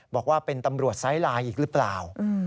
บอกว่าเป็นตำรวจไซส์ไลน์อีกหรือเปล่า